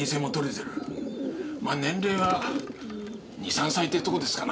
ま年齢は２３歳ってとこですかな。